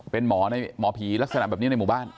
เป็นหมอผีลักษณะแบบนี้ในหมู่บ้าน